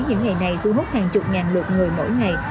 những ngày này thu hút hàng chục ngàn lượt người mỗi ngày